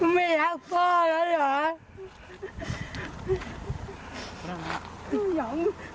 ไม่รักพ่อแล้วเหรอ